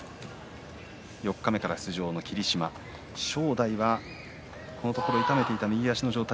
四日目から出場の霧島正代はこのところ痛めていた右足の状態